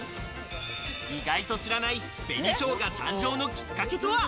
意外と知らない、紅生姜誕生のきっかけとは？